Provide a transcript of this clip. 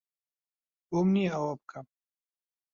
بۆم نییە ئەوە بکەم.